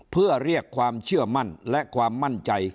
เพื่อเรียกความเชื่อมั่นและความมั่นใจ